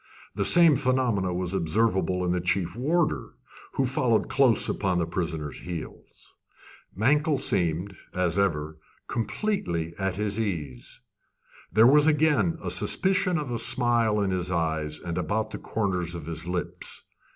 The same phenomenon was observable in the chief warder, who followed close upon the prisoner's heels. Mankell seemed, as ever, completely at his ease. There was again a suspicion of a smile in his eyes and about the corners of his lips.